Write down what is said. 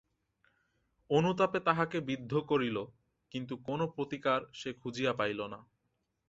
অনুতাপে তাহাকে বিদ্ধ করিল, কিন্তু কোনো প্রতিকার সে খুঁজিয়া পাইল না।